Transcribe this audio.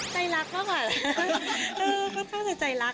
ใจรักมากอะค่อนข้างจะใจรัก